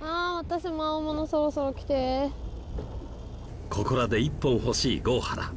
私も青物そろそろきてここらで１本欲しい郷原